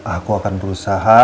aku akan berusaha